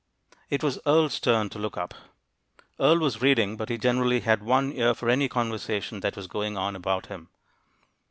It was Earle's turn to look up. Earle was reading, but he generally had one ear for any conversation that was going on about him.